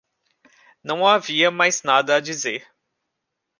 Não havia mais nada a dizer.